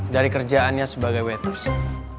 dari kerjaannya sebagai waitress